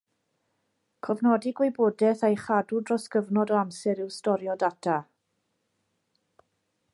Cofnodi gwybodaeth a'i chadw dros gyfnod o amser yw storio data.